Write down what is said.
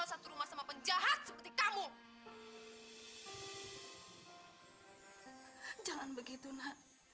sampai jumpa di video selanjutnya